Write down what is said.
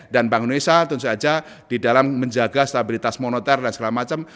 bank indonesia tentu saja di dalam menjaga stabilitas moneter dan segala macam